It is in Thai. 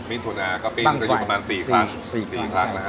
มิถุนาก็มีปีนก็อยู่ประมาณ๔ครั้ง